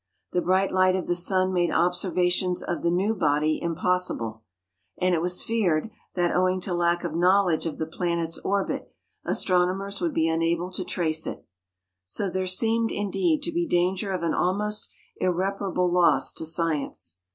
The bright light of the sun made observations of the new body impossible; and it was feared that, owing to lack of knowledge of the planet's orbit, astronomers would be unable to trace it. So there seemed, indeed, to be danger of an almost irreparable loss to science.